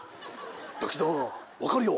滝沢分かるよ。